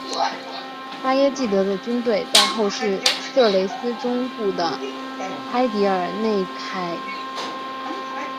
巴耶济德的军队在后世色雷斯中部的埃迪尔内凯尚萨兹勒德雷村与穆斯塔法遭遇。